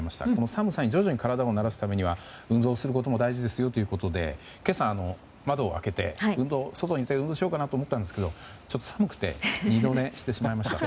寒さに徐々に体を慣らすためには運動することも大事ですよということで今朝、窓を開けて、外に出て運動しようかと思ったんですがちょっと寒くて二度寝してしまいました。